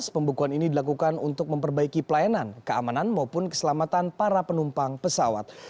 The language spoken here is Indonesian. pembekuan ini dilakukan untuk memperbaiki pelayanan keamanan maupun keselamatan para penumpang pesawat